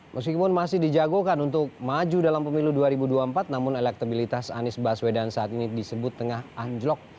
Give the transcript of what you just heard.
meskipun masih dijagokan untuk maju dalam pemilu dua ribu dua puluh empat namun elektabilitas anies baswedan saat ini disebut tengah anjlok